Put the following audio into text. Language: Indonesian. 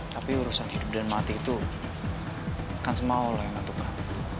tapi urusan hidup dan mati itu bukan semua oleh yang matukah